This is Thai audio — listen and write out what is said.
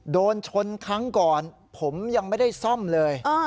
โดนชนครั้งก่อนผมยังไม่ได้ซ่อมเลย